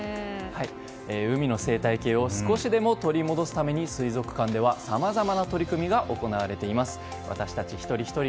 海の生態系を少しでも取り戻すために水族館ではさまざまな取り組みが行われています。